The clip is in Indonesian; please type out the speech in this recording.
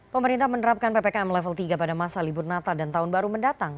pemerintah menerapkan ppkm level tiga pada masa libur natal dan tahun baru mendatang